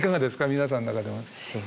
皆さんの中で。